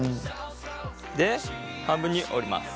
で半分に折ります。